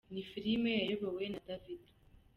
Ni film yayobowe na David O.